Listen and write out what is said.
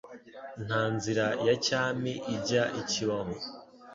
Nta nzira ya cyami ijya ikibaho